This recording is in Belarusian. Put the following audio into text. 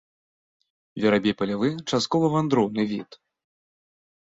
Верабей палявы часткова вандроўны від.